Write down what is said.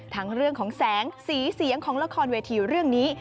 ทั้งเรื่องของแสงสีเสียงของละครเวทีเรื่องนี้